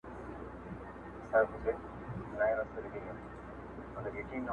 په الؤتلو راځي